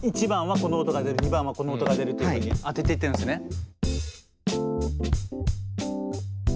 １番はこの音が出る２番はこの音が出るっていうふうに当てていってるんですね。